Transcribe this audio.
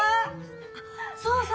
あそうそう。